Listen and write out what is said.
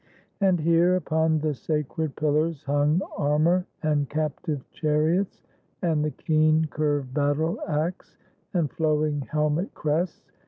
And here, upon the sacred pillars hung Armor and captive chariots, and the keen Curved battle axe, and flowing helmet crests.